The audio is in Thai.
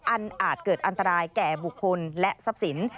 อาจเกิดอันตรายแก่บุคคลและทรัพย์สิน